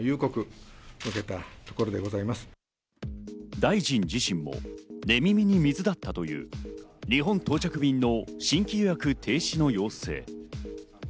大臣自身も寝耳に水だったという日本到着便の新規予約停止の要請。